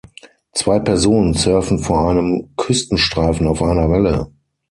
Zwei Personen surfen vor einem Küstenstreifen auf einer Welle.